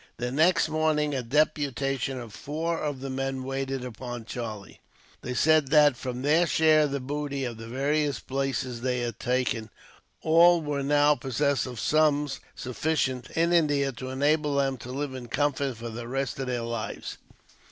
The next morning, a deputation of four of the men waited upon Charlie. They said that, from their share of the booty of the various places they had taken, all were now possessed of sums sufficient, in India, to enable them to live in comfort for the rest of their lives.